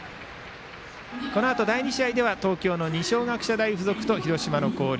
このあと第２試合では東京の二松学舎大付属と広島の広陵。